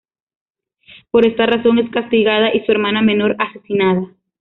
Por esta razón, es castigada y su hermana menor asesinada.